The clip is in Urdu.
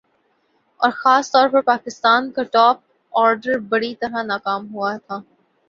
اور خاص طور پر پاکستان کا ٹاپ آرڈر بری طرح ناکام ہوا تھا